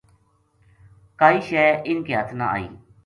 کائی شے اِنھ کے ہتھ نہ آئی